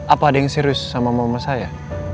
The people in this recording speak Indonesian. apa ada yang serius sama mama saya